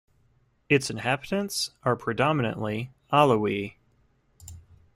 Its inhabitants are predominantly Alawites.